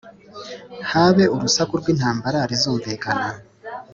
habe urusaku rw’intambara rizumvikana